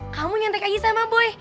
kamu nyanteng aja sama boy